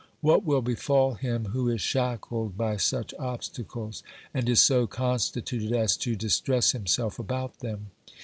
What will befall him who is shackled by such obstacles and is so constituted as to distress himself about them